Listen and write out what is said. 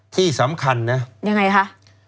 ที่สำคัญนะยังไงคะ